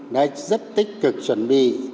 đã rất tích cực chuẩn bị